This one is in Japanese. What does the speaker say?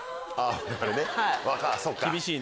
あぁそっか。